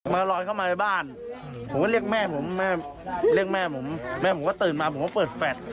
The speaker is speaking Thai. ลอยเข้ามาในบ้านผมก็เรียกแม่ผมแม่เรียกแม่ผมแม่ผมก็ตื่นมาผมก็เปิดแฟลต